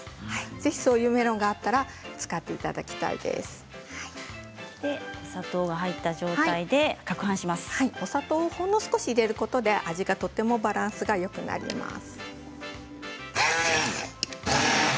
ぜひそういうメロンがあったらお砂糖が入った状態でお砂糖をちょっと入れることによって味のバランスがとてもよくなります。